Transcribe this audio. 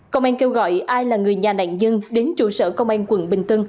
công an kêu gọi ai là người nhà nạn nhân đến trụ sở công an quận bình tân